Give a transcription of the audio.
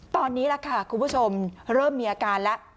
ตอนนี้ล่ะค่ะคุณผู้ชมเริ่มมีอาการแล้ว